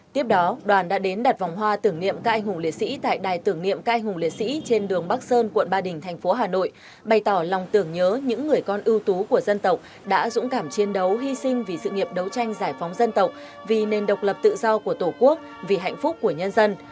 tiếp đó đoàn đã đến đặt vòng hoa tưởng niệm các anh hùng liệt sĩ tại đài tưởng niệm các anh hùng liệt sĩ trên đường bắc sơn quận ba đình thành phố hà nội bày tỏ lòng tưởng nhớ những người con ưu tú của dân tộc đã dũng cảm chiến đấu hy sinh vì sự nghiệp đấu tranh giải phóng dân tộc vì nền độc lập tự do của tổ quốc vì hạnh phúc của nhân dân